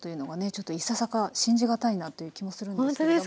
ちょっといささか信じがたいなという気もするんですけれども。